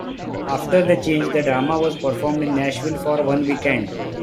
After the change, the drama was performed in Nashville for one weekend.